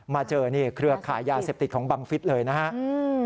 มาเจอเครือข่ายาเสพติดของบังฤษฐ์เลยนะครับ